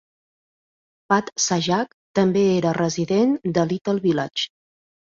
Pat Sajak també era resident de Little Village.